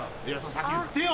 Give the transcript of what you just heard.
先言ってよ。